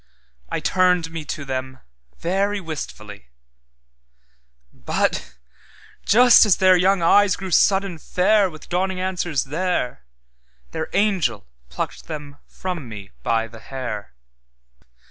I turned me to them very wistfully; But just as their young eyes grew sudden fairWith dawning answers there, Their angel plucked them from me by the hair.